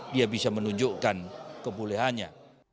dia bisa menunjukkan kebolehannya